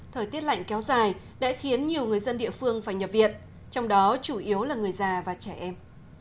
thời tiết lạnh kéo dài đã khiến nhiều người dân địa phương phải nhập viện trong đó chủ yếu là người già và trẻ em